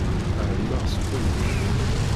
Ɛelmeɣ s kullec.